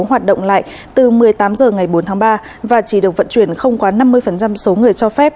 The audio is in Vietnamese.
hoạt động lại từ một mươi tám h ngày bốn tháng ba và chỉ được vận chuyển không quá năm mươi số người cho phép